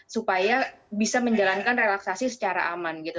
supaya bisa menjalankan relaksasi secara aman gitu